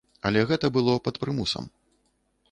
Але гэта было пад прымусам.